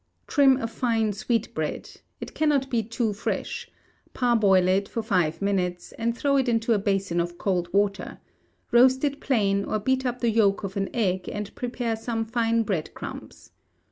Trim a fine sweetbread it cannot be too fresh; parboil it for five minutes, and throw it into a basin of cold water; roast it plain, or beat up the yolk of an egg, and prepare some fine bread crumbs.